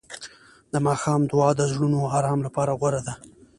د ماښام دعا د زړونو آرام لپاره غوره ده.